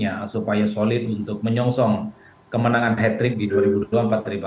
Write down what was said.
karena kan pdip sedang mengonsolidasi betul kekuatan politik